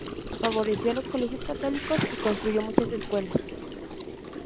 Favoreció a los colegios católicos y construyó muchas escuelas.